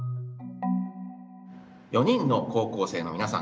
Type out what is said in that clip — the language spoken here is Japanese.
４人の高校生の皆さん